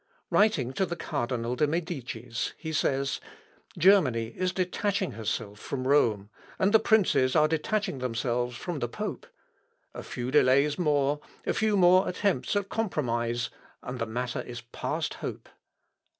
Writing to the Cardinal de Medicis, he says, "Germany is detaching herself from Rome, and the princes are detaching themselves from the pope. A few delays more a few more attempts at compromise and the matter is past hope.